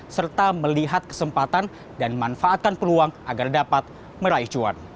serta melihat kesempatan dan manfaatkan peluang agar dapat meraih cuan